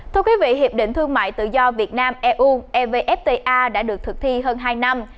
thưa quý vị hiệp định thương mại tự do việt nam eu evfta đã được thực thi hơn hai năm